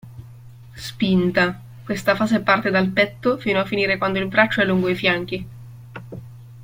Spinta: Questa fase parte dal petto fino a finire quando il braccio è lungo i fianchi.